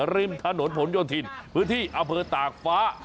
ริมถนนผลโยธินพื้นที่อำเภอตากฟ้า